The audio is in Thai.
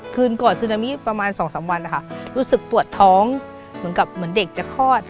คืนก่อนซึนามีประมาณ๒๓วันรู้สึกปวดท้องเหมือนเด็กจะคลอด